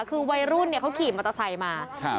คือวัยรุ่นเนี่ยเขาขี่มอเตอร์ไซค์มาครับ